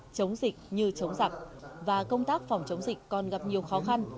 chống dịch như chống giặc và công tác phòng chống dịch còn gặp nhiều khó khăn